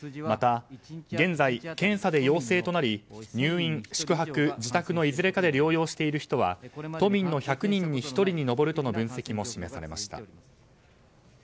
また現在、検査で陽性となり入院、宿泊、自宅のいずれかで療養している人は都民の１００人に１人に上るとの分析も示されました。